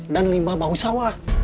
dan lima bahu sawah